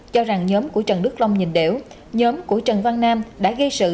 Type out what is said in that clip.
cho rằng nhóm của trần đức long nhìn đều nhóm của trần văn nam đã gây sự